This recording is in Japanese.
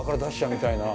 みたいな。